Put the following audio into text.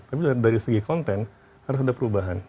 tapi dari segi konten harus ada perubahan